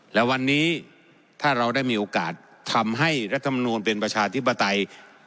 และวันนี้ถ้าเราได้มีโอกาสทำให้รัฐมนูลเป็นประชาธิปไตย